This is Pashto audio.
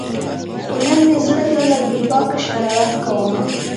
خو نن مې زړه دی لږ بې باکه شرارت کومه